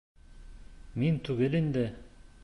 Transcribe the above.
Мин түгел инде!